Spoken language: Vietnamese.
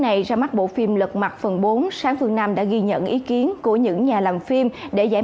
ngày ra mắt bộ phim lật mặt phần bốn sáng phương nam đã ghi nhận ý kiến của những nhà làm phim để giải